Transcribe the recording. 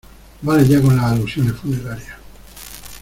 vale ya con las alusiones funerarias.